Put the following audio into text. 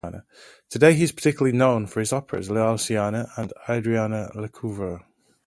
Today he is particularly known for his operas "L'arlesiana" and "Adriana Lecouvreur".